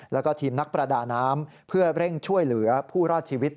แล้วก็ทีมนักประดาน้ำเพื่อเร่งช่วยเหลือผู้รอดชีวิต